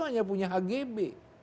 hanya punya hgb